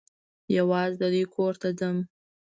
یوازي د دوی کور ته ځم .